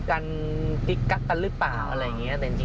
คุณอาจจะมีประโยชน์